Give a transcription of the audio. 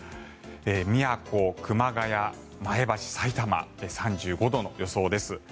宮古、熊谷、前橋、さいたまで３５度の予想です。